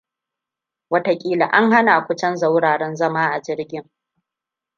Wataƙila an hana ku canza wuraren zama a jirgin.